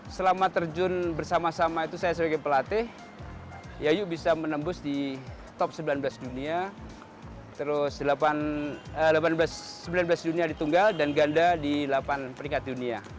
selama terjun bersama sama itu saya sebagai pelatih yayu bisa menembus di top sembilan belas dunia terus sembilan belas dunia di tunggal dan ganda di delapan peringkat dunia